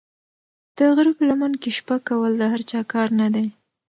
د غره په لمن کې شپه کول د هر چا کار نه دی.